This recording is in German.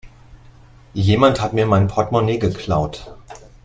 Jemand hat mir mein Portmonee geklaut.